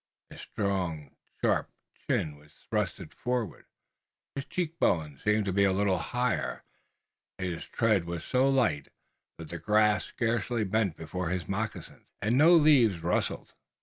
His strong sharp chin was thrust forward. His cheek bones seemed to be a little higher. His tread was so light that the grass scarcely bent before his moccasins, and no leaves rustled.